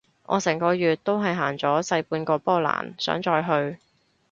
我成個月都係行咗細半個波蘭，想再去